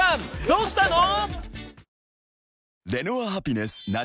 どうしたの？］